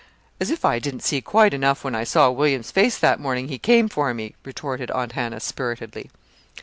"As if I didn't see quite enough when I saw William's face that morning he came for me!" retorted Aunt Hannah, spiritedly.